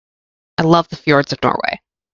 I love the fjords of Norway.